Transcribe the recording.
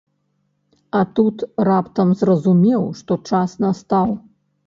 А тут раптам зразумеў, што час настаў.